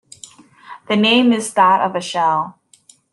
The name is that of a shell.